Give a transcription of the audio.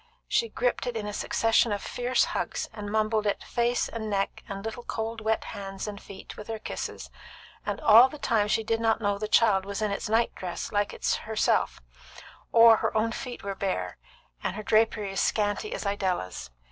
She gripped it in a succession of fierce hugs, and mumbled it face and neck, and little cold wet hands and feet with her kisses; and all the time she did not know the child was in its night dress like herself, or that her own feet were bare, and her drapery as scanty as Idella's.